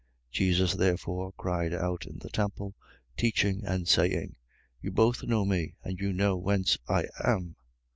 7:28. Jesus therefore cried out in the temple, teaching and saying: You both know me, and you know whence I am.